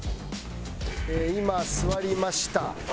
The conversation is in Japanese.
今座りました。